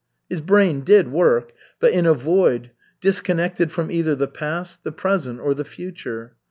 His brain did work, but in a void, disconnected from either the past, the present, or the future.